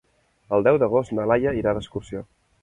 El deu d'agost na Laia irà d'excursió.